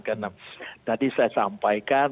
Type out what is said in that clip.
karena tadi saya sampaikan